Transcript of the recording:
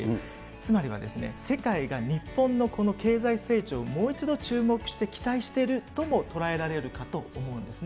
つまりは世界が日本のこの経済成長、もう一度注目して期待してるとも捉えられるかと思うんですね。